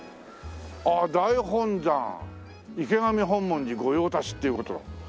ああ「大本山池上本門寺御用達」っていう事だ。